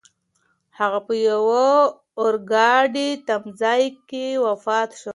هغه په یوه اورګاډي تمځای کې وفات شو.